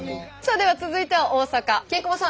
では続いては大阪ケンコバさん。